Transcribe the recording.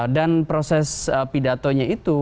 dan proses pidatonya itu